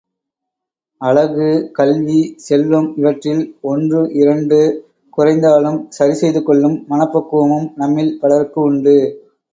அழகு, கல்வி, செல்வம் இவற்றில் ஒன்று இரண்டு குறைந்தாலும் சரி செய்துகொள்ளும் மனப்பக்குவமும் நம்மில் பலர்க்கு உண்டு.